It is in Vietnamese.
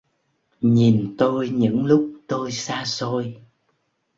Nhìn tôi những lúc tôi xa xôi.